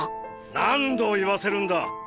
何度言わせるんだ。